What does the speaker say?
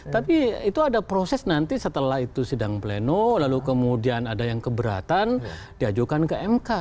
tapi itu ada proses nanti setelah itu sidang pleno lalu kemudian ada yang keberatan diajukan ke mk